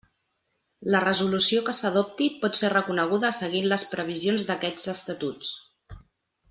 La resolució que s'adopti pot ser recorreguda seguint les previsions d'aquests Estatuts.